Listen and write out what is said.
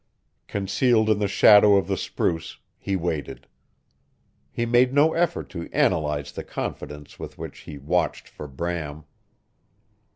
Concealed in the shadow of the spruce, he waited. He made no effort to analyze the confidence with which he watched for Bram.